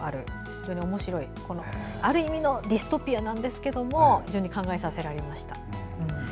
非常におもしろいある意味ディストピアですが非常に考えさせられました。